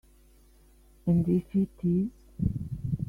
And if it is?